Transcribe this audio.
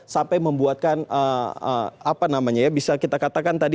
sampai membuatkan apa namanya ya bisa kita katakan tadi